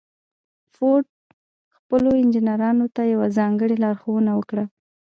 فورډ خپلو انجنيرانو ته يوه ځانګړې لارښوونه وکړه.